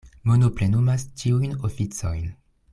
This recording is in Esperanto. Mono plenumas ĉiujn oficojn.